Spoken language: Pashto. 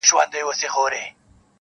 یوه سترګه مو روغه بله سترګه مو ړنده وي-